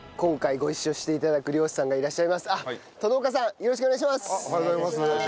よろしくお願いします。